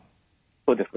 そうです。